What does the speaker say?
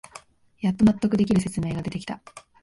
やっと納得できる説明が出てきた